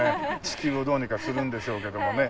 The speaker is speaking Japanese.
地球をどうにかするんでしょうけどもね。